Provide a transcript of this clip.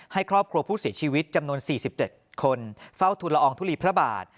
ให้ครอบครัวผู้เสียชีวิตจำนวน๔๗คนเฝ้าทุลอองทุลีพระบาท